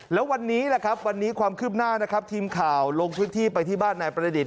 แล้ววันนี้แหละครับวันนี้ความคืบหน้านะครับทีมข่าวลงพื้นที่ไปที่บ้านนายประดิษฐ